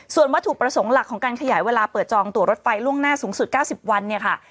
ส่วนวัตถุประสงค์หลักของการขยายเวลาเปิดจองตัวรถไฟล่วงหน้าสูงสุด๙๐วันเนี่ยค่ะ